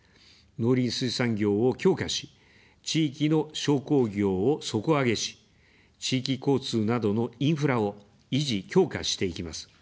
農林水産業を強化し、地域の商工業を底上げし、地域交通などのインフラを維持・強化していきます。